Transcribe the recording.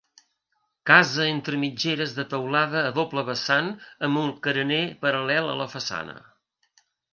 Casa entre mitgeres de teulada a doble vessant amb el carener paral·lel a la façana.